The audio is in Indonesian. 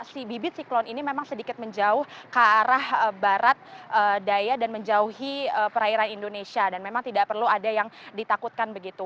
si bibit siklon ini memang sedikit menjauh ke arah barat daya dan menjauhi perairan indonesia dan memang tidak perlu ada yang ditakutkan begitu